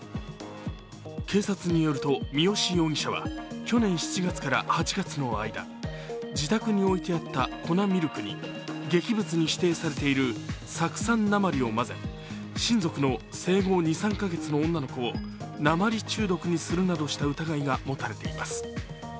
警察によると、三好容疑者は去年７月から８月の間、自宅に置いてあった粉ミルクに劇物に指定されている酢酸鉛を混ぜ親族の生後２３か月の女の子を鉛中毒にするなどの疑いが持たれています。